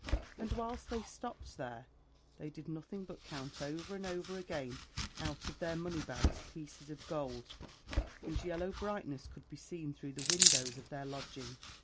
And whilst they stopped there, they did nothing but count over and over again out of their money bags pieces of gold, whose yellow brightness could be seen through the windows of their lodging.